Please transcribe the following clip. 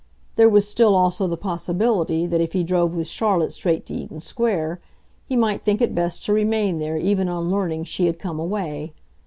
There was still also the possibility that if he drove with Charlotte straight to Eaton Square he might think it best to remain there even on learning she had come away.